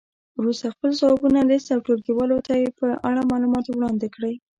وروسته خپل ځوابونه لیست او ټولګیوالو ته یې په اړه معلومات وړاندې کړئ.